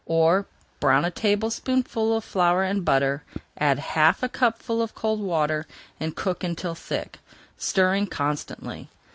Or, brown a tablespoonful of flour in butter, add half a cupful of cold water and cook until thick, stirring constantly.